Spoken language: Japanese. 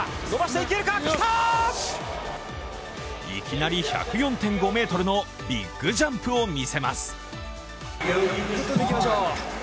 いきなり１０４．５ｍのビッグジャンプを見せます。